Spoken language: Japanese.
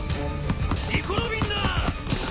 ニコ・ロビンだ！